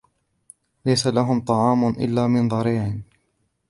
لَيْسَ لَهُمْ طَعَامٌ إِلَّا مِنْ ضَرِيعٍ